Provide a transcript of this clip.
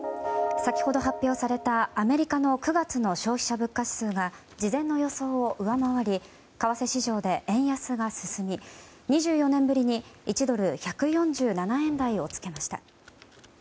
先ほど発表されたアメリカの９月の消費者物価指数が事前の予想を上回り為替市場で円安が進み２４年ぶりに、１ドル＝１４７円台をつけました。